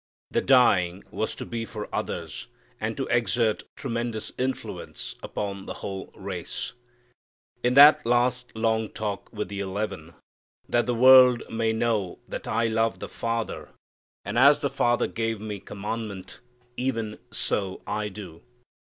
The dying was to be for others, and to exert tremendous influence upon the whole race. In that last long talk with the eleven, "that the world may know that I love the Father and as the Father gave me commandment even so I do."